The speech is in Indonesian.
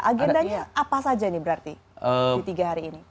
agendanya apa saja nih berarti di tiga hari ini